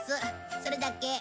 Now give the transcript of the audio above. それだけ。